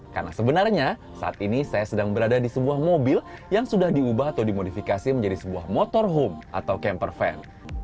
karena sebenarnya saat ini saya sedang berada di sebuah mobil yang sudah diubah atau dimodifikasi menjadi sebuah motorhome atau campervan